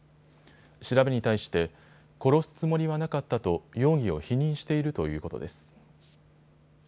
調べに対して殺すつもりはなかったと容疑を否認しているということです。